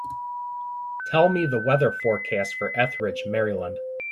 Tell me the weather forecast for Ethridge, Maryland